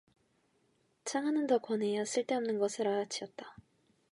창하는 더 권해야 쓸데없을 것을 알아채었다.